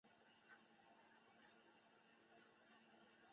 密枝猪毛菜为苋科猪毛菜属的植物。